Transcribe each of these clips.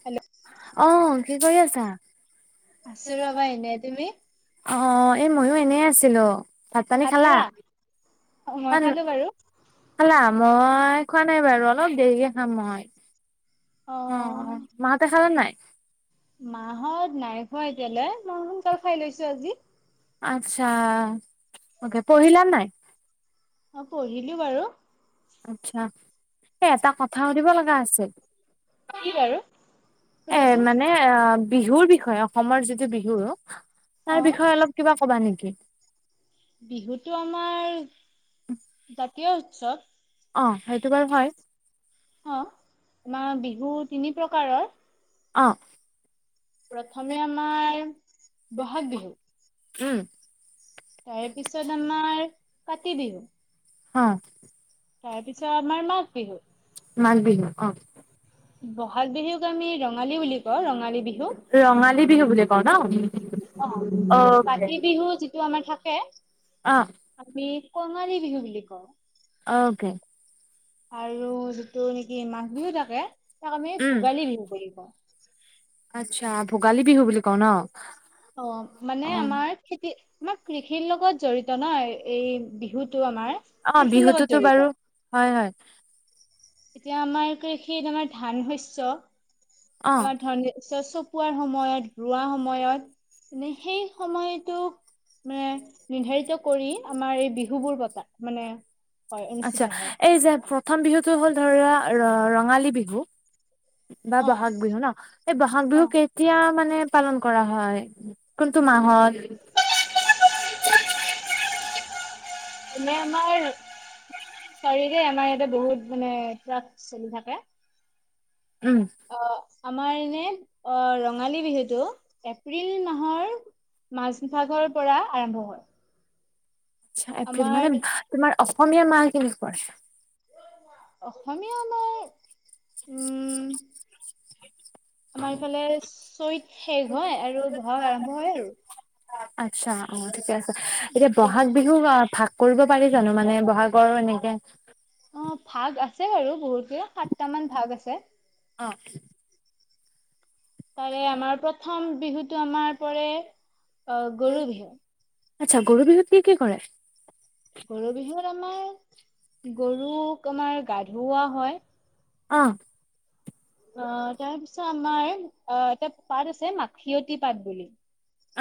Hello অ' কি কৰি আছা? আছো ৰবা এনে তুমি? অ এই ময়ো এনেই আছিলো। ভাত পালী খালা? অ মই খালো বাৰু, খালা মই খোৱা নাই বাৰু অলপ দেৰিকে খাম মই অ মাহ হেতে খালে নাই? [unintelligible] মাহত নাই খোৱা এতিয়ালৈ মই সোনকাল খাই লৈছো আজি। আচ্ছা মকে পঢ়িলা নাই? অ পঢ়িলো বাৰু অচ্ছা এ এটা কথা সুধিব লগা আছিল- কি কি বাৰু এ সুধা চোন? মানে অ' বিহুৰ বিষয়ে অসমৰ যিটো বিহু তাৰ অ বিষয়ে অলপ কিবা কবা নেকি? [unintelligible] বিহুতো কিয় সুধিছ? অ সেইটো বাৰু হয় অ আমাৰ বিহু তিনি প্ৰকাৰৰ অ প্ৰথমে আমাৰ বহাগ বিহু উম তাৰ পিছত আমাৰ কাতি বিহু অ তাৰ পিছত আমাৰ মাঘ বিহু মাঘ বিহু অ'! বহাগ বিহুক আমি ৰঙালী বুলি কওঁ, ৰঙাল ৰঙালী বিহু, ৰঙালী বিহু বুলি কওঁ ন? অকে কাতি বিহু এইটো আমাৰ থাকে। অ' আমি কঙালী বিহু বুলি কওঁ। অ'কে। আৰু যিটো নেকি মাঘ বিহু থাকে তাক আমি উম। ভোগালী বিহু বুলি কওঁ। আচ্ছা ভোগালী বিহু বুলি কওঁ ন'। অ' অ মানে আমাৰ খেতি আমাক কৃষিৰ লগত জড়িত নহয় এই বিহুত অ' বিহুতো তো বাৰু হয়, হয়। এতিয়া আমাৰ সেই, আমাৰ ধান শস্য অ আমাৰ ধান [unintelligible] পুৱাৰ সময়ত, ৰোঁৱা সময়ত মানে, সেই সময়তো মানে নিৰ্ধাৰিত কৰি আমাৰ এই বিহু বোৰ পাবা। মানে হয় অনুষ্ঠিত আচ্ছা! হয় এই যে প্ৰথম বিহুটো হ'ল ধৰা ৰঙালী বিহু। বা অ বহাগ বিহু ন' এই বহাগ বিহু অ কেতিয়া মানে হে পালন কৰা হয়। কোনটো মাহত [unintelligible] মানে আমাৰ চাৰীৰে আমাৰ বহুত মানে ট্ৰাক চলি থাকে। উম অ'! আমাৰ এনে অ' ৰঙালী বিহুতো এপ্ৰিল মাহৰ মাজভাগৰ পৰা আৰম্ভ হয়। আচ্ছা এপ্ৰিল আমাৰ মানে তোমাৰ অসমীয়া মাহ [unintelligible] অসমীয়া আমাৰ উম, আমাৰ ইফালে চ'ত শেষ হয় আৰু বহাগ আৰম্ভ হয় আৰু। আচ্ছা! অ' ঠিকে আছে। এতিয়া ব'হাগ বিহু অ' ভা কৰিব পাৰি জানো মানে, ব'হাগৰ এনেকে অ' ভাগ আছে আৰু বহুতকে সাতটামান ভাগ আছে। অ তাৰে আমাৰ প্ৰথম বিহুতটো আমাৰ পৰে অ গৰু বিহু। আচ্ছা গৰু বিহুত কি কি কৰে? গৰু বিহুত আমাৰ গৰুক আমাৰ গা ধুৱা হয়। অ। অ তাৰ পিছত আমাৰ, আহ এটা পাত আছে মাখিয়তী পাট বুলি।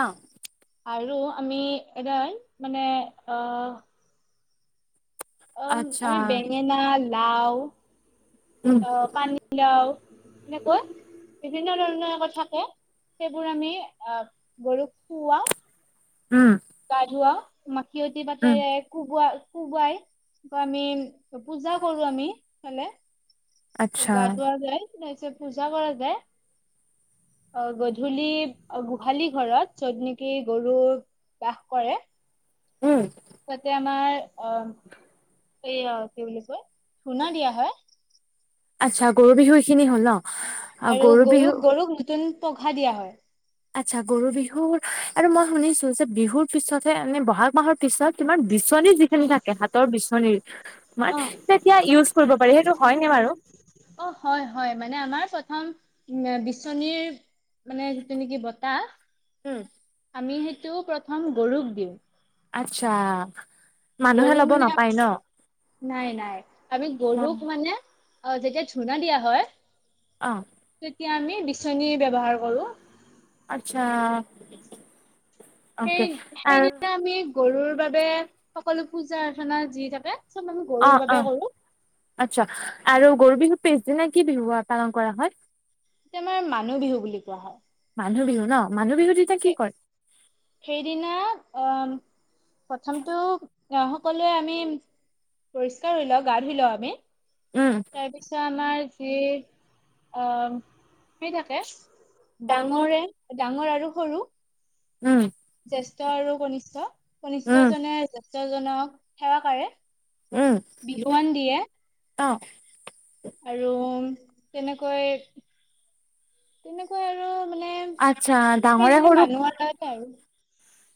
অহ। আৰু আমি এডাল মানে অ অ আচ্ছা আমি বেঙেনা লাও, উম অ ', পানীলাও। এনেকৈ বিভিন্ন ধৰণৰ থাকে সেইবোৰ আমি আহ', গৰুক খুওৱা। উম', গা ধুৱাও ম মাখিয়তী উম পাতেৰে কোবোৱা কোবাই বা আমি পূজা কৰো আমি ইফালে। আচ্ছা গাধুৱা যাই। পূজা কৰাতে অ গধূলি গোহালি ঘৰত, য'ত নেকি গৰু বাস কৰে। উম। তাতে আমাৰ অ', এই কি বুলি কয় ধুনা দিয়া হয়। আচ্ছা গৰু বিহু এইখিনি হ'ল ন? আ, আৰু গৰু বিহু গৰুক -গৰুক নতুন পঘা দিয়া হয়। আচ্ছা গৰু বিহুৰ আৰু মই শুনিছো যে বিহুৰ পিছতহে এনে বহাগ মাহৰ পিছত তোমাৰ বিচনী যিখিনি থাকে হাতৰ বিচনীৰ অ তেতিয়া ইউজ কৰিব পাৰি সেইটো হয় নে বাৰু? উ', বিচনীৰ মানে যিটো নেকি বতাহ উম, আমি সেই টো, প্ৰথম গৰুক দিওঁ। আচ্ছা। মানুহে গৰু ল'ব মানে, নাপায় ন নাই - নাই আমি অ গৰুক মানে অ ', যেতিয়া ধুনা দিয়া হয় অ', এতিয়া আমি বিচনী ব্যৱহাৰ কৰো। আচ্ছা। সেই অকে', সেইদিনা আমি গৰুৰ বাবে সকলো পূজা অৰ্চনা যি থাকে। চব আমি গৰুৰ অ', - বাবে অ', কৰো আচ্ছা আৰু। গৰু বিহুৰ পিছদিনা কি বিহু পালন কৰা হয়। তে আমাৰ মানুহ বিহু বুলি কোৱা হয়। মানুহ বিহু ন। মানুহ বিহু তেতিয়া কি সেই কৰে সেইদিনা অ', প্ৰথমটো আহ' সকলোৱে আমি পৰিষ্কাৰ হৈ লও গা ধুই লও আমি। উম তাৰ পিছত আমাৰ হেএ অ ঠিক আছে ডাঙৰ, ডাঙৰে ডাঙৰ আৰু সৰু উম জেষ্ঠ আৰু কনিষ্ঠ উম কনিষ্ঠজনে জে তজনক সেৱা কাৰে উম বিহুৱান দিয়ে অ আৰু তেনেকৈ তেনেকৈ আৰু মানে আচ্ছা ডাঙৰে সেইদিনা মানুহ সৰুক এটাতে আৰু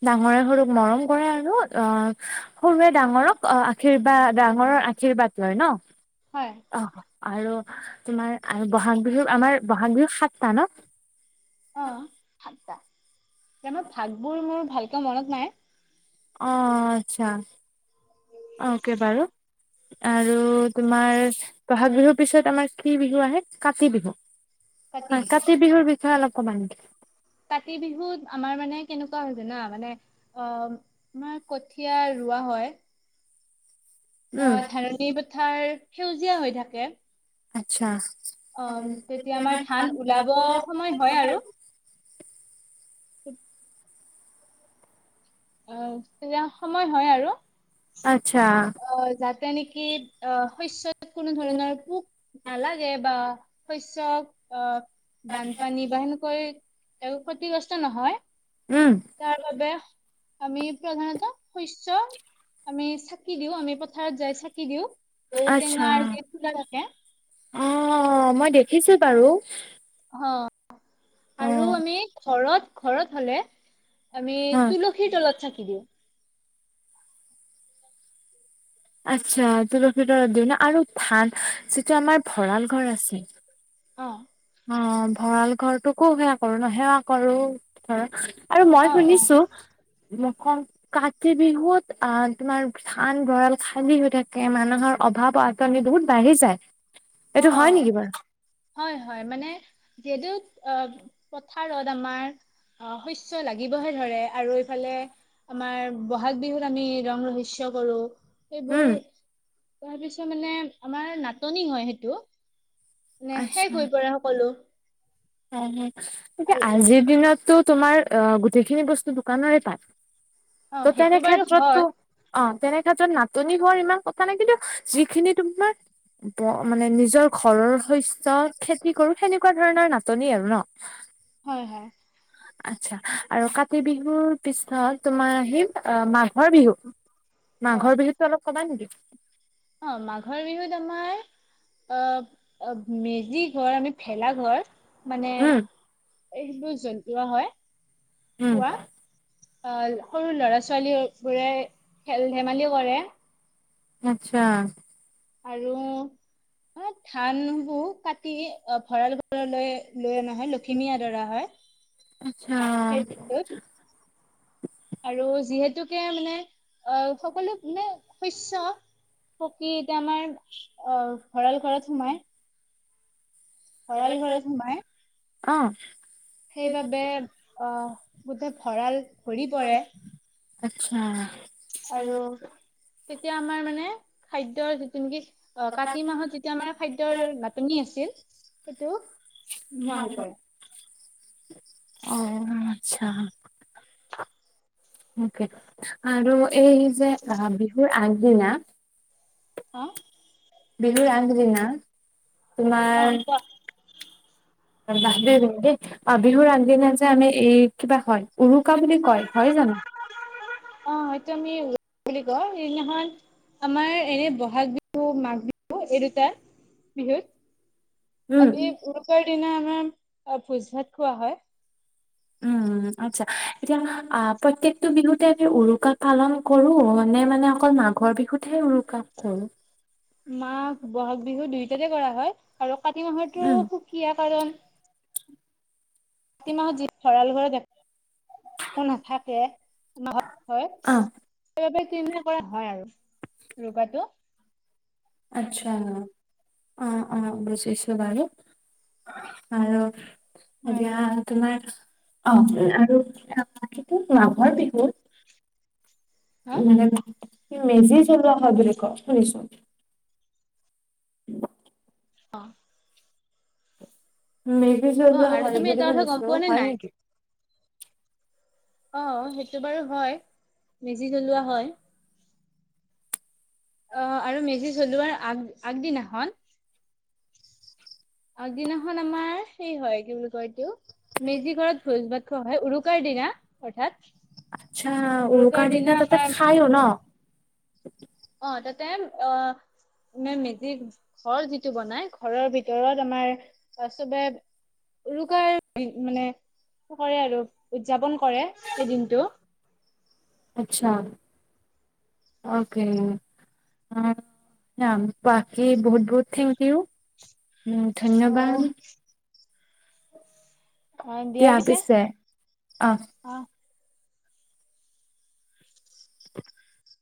ডাঙৰে সৰুক মৰম কৰে আৰু অ সৰুৱে ডাঙৰক আশীৰ্বাদ ডাঙৰৰ আশীৰ্বাদ লয় ন হয় অ আৰু তোমাৰ আৰু বহাগ বিহু আমাৰ বহাগ বিহু সাতটা ন অ সাতটা এনে ভাগবোৰ মোৰ ভালকে মনত নাই। অ আচ্ছা অ অকে বাৰু আৰু তোমাৰ বহাগ বিহুৰ পিছত আমাৰ কি বিহু আহে কাতি বিহু হয় কাতি বিহুৰ বি কিয় অলপ কনাম কাতি বিহুত আমাৰ মানে কেনেকুৱা হয় জানা মানে অ আমাৰ কঠীয়া ৰোৱা হয় অ উম ধানণি পথাৰ সেউজীয়া হৈ থাকে আচ্ছা অ তেতিয়া আমাৰ ধান ওলাব সময় হয় আৰু [unintelligible] অ তেতিয়া সময় হয় আৰু আচ্ছা তেনেকে অ শস্য কোনো ধৰণৰ পোক নালাগে বা শস্যক অ বানপানী বা সেনেকৈ তেওঁ ক্ষতিগ্ৰস্ত নহয় উম তাৰ বাবে আমি প্ৰধানত শস্য আমি চাকি দিও আমি পথাৰত যাই চাকি দিও আচ্ছা অ মই দেখিছো বাৰু অ অ আৰু আমি ঘৰত ঘৰত হ'লে আমি অ তুলসীৰ তলত চাঁকি দিওঁ আচ্ছা তুলসীৰ তলত দিয়ে ন আৰু ধান যিটো আমাৰ ভঁৰাল ঘৰ আছে অ অ ভঁৰাল ঘৰটোকো সেৱা কৰো ন সেৱা কৰো ধৰ আৰু মই অ শুনিছো কাতি বিহুত আহ তোমাৰ ধান ভঁৰাল খালী হৈ থাকে মানুহৰ অভাৱ আতনি বহুত বাঢ়ি যায় অ এইটো হয় অ নেকি বাৰু হয় হয় মানে যিহেতু আহ পথাৰত আমাৰ আহ শস্য লাগিবহে ধৰে আৰু এইফালে আমাৰ বহাগ বিহুত আমি ৰং ৰহস্য কৰো উম এইবোৰ তাৰপিছত মানে আমাৰ নাটনি হয় সেইটো এইটো নে শেষ হৈ পৰে সকলো এয়া আৰু আজিৰ দিনততো তোমাৰ অ গোটেইখিনি বস্তু দোকানৰে পায় অ ত' সেইটো তেনে বাৰু হয় ক্ষেত্ৰতো অ তেনে ত নাটনি হোৱাৰ ইমান কথা নাই কিন্তু যিখিনি তোমাৰ মানে নিজৰ ঘৰৰ শস্য খেতি কৰো সেনেকোৱা ধৰণৰ নাচ ধনী আৰু ন [unintelligible] আচ্ছা আৰু কাতি বিহুৰ পিছত তোমাৰ আহিল অ মাঘ মাঘৰ বিহু অ মাঘৰ বিহুতটো অলপ কমাই নেকি অ মাঘৰ বিহুত আমাৰ অ মেজি ঘৰ আমি ভেলা ঘৰ মানে উম, এইটো জন্তুৱা হয় উম অ সৰু ল'ৰা ছোৱালী বোৰে খেল ধেমালি কৰে আচ্ছা আৰু অ ধানবোৰ কাটি অ ভঁৰাল ঘৰলৈ লৈ অনা হয় লখিমী আদৰা হয় আচ্ছা। সেই দিনটোত আৰু যিহেতুকে মানে, অ সকলো মানে শস্য সকী এতিয়া আমাৰ অ ভঁৰাল ঘৰত সোমাই। ভৰাল ঘৰত সোমাই। অঁ। সেইবাবে আহ গোটেই ভঁৰাল ভৰি পৰে। আচ্ছা। আৰু তেতিয়া আমাৰ মানে খাদ্যৰ যিটো নেকি। অ, কাতি মাহত যেতিয়া আমাৰ খাদ্যৰ নাটনি আছিল। সেইটো। নোহোৱা হৈ পৰে অঁ। আ, আৰু এই যে বিহুৰ আগদিনা। হা। বিহুৰ আগ দিনা। অ তোমাৰ। কোৱা বাহ দেই, বিহুৰ আনদিনা যে আমি এই কিবা হয়। উৰুকা বুলি কয় হয় জানো? অ হয়টো আমি বুলি কয়, সেইদিনাখন আমাৰ এনে বহাগ বিহু মাঘ বিহু এই দুটা বিহুত। উম আজি উৰুকাৰ। দিনা আমাৰ ভোজ ভাত খোৱা হয় উম, আচ্ছা এতিয়া আহ প্ৰত্যেকটো বিহুতে আমি উৰুক পালন কৰো নে মানে অকল মাঘৰ বিহুতহে উৰুক কৰো। মা বহাগ। বিহু দুইটাতে কৰা হয়, আৰু কাতি মাহৰতো উম সুকীয়া কাৰণ। প্ৰতিমাহত যি ভৰাল ঘৰত দে। নাথাকে আমাৰ অ সেইবাবে। কৰা হয় আৰু উৰুকা তো। আচ্ছা, অ অ বুজিছো বাৰু আৰু হয় এতিয়া তোমাৰ। অ, আৰুটো মাঘৰ বিহুত। হা উম। মেজি জলোৱা হয় বুলি বুলি ক শুনিছো। অঁ। মেজি অ জ্বলোৱা আৰু হয় তুমি এটা বুলি কথা গম শুনিছো পোৱা নে হয় নাই নেকি? অ, সেইটো বাৰু হয় মেজি জলোৱা হয়। অ, আৰু মেজি চলোৱাৰ আগ আগদিনাখন। অগ, দিনাখন আমাৰ সেই হয় কি বুলি কয় এইটো। মেজি ঘৰত ভোজ ভাত হয় হয় উৰুকাৰ দিনা অৰ্থাৎ আচ্ছা উৰুকা উৰুকাৰ দিনা তাতে আমাৰ খাইও ন [inaudible] অ তাতে অ ম মেজি ঘৰ যিটো বনাই ঘৰৰ ভিতৰত আমাৰ চবে উৰুকাৰ মানে কৰে আৰু উদযাপন কৰে সেই দিনটো আচ্ছা অকে বাকি বহুত বহুত থেংক ইউ উম ধন্যবাদ অ দিয়া পিছে অ। অ